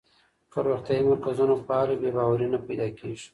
که روغتیايي مرکزونه فعال وي، بې باوري نه پیدا کېږي.